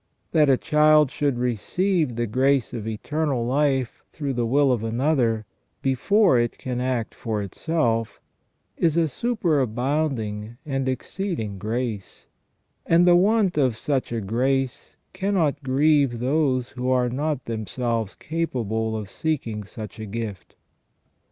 That a child should receive the grace of eternal life through the will of another, before it can act for itself, is a super abounding and exceeding grace ; and the want of such a grace cannot grieve those who are not themselves capable of seeking such a gift.